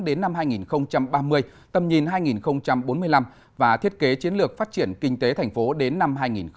đến năm hai nghìn ba mươi tầm nhìn hai nghìn bốn mươi năm và thiết kế chiến lược phát triển kinh tế thành phố đến năm hai nghìn bốn mươi